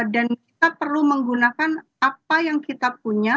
dan kita perlu menggunakan apa yang kita punya